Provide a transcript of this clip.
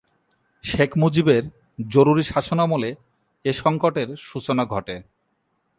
শেখ মুজিবের জরুরী শাসনামলে এ সঙ্কটের সূচনা ঘটে।